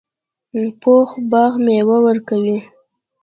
پوخ باغ میوه ورکوي